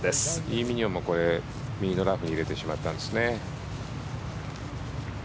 イ・ミニョンもこれ右のラフに入れてしまったんですね。